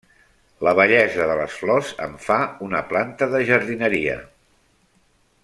La bellesa de les flors en fa una planta de jardineria.